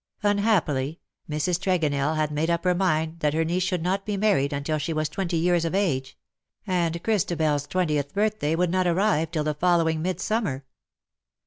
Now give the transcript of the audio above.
Unhappily, Mrs. Tregonell had made up her mind that her niece should not be married until she was twenty years of age — and Christabel^s twentieth birthday would not arrive till the following Mid summer.